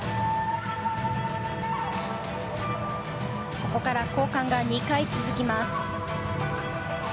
ここから交換が２回続きます。